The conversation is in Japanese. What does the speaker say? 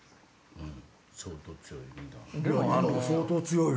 うん。